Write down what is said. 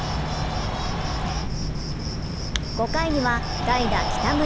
５回には代打・北村。